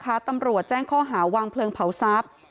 ตำรวจแจ้งข้อหาวางเพลิงเผาทรัพย์